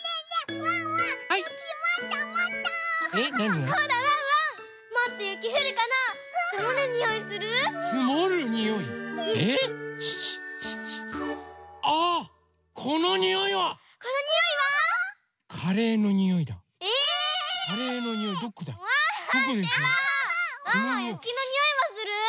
ワンワンゆきのにおいはする？